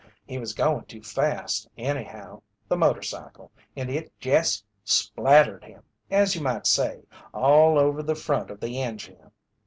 He was goin' too fast, anyhow the motorcycle and it jest splattered him, as you might say, all over the front of the en jine."